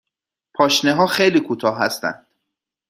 پاشنه ها خیلی کوتاه هستند.